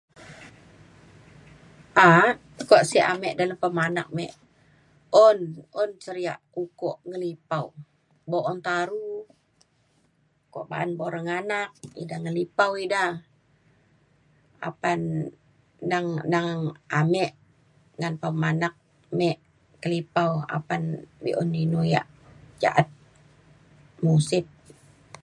a’ak kuak sek ame de lepa manak me un un seriak ukok ngan ipau buk un taru kuak ba’an bo ngan re nganak ida ngelipau ida apan neng neng ame ngan pemanak me kelipau apan be’un inu yak ja’at musit.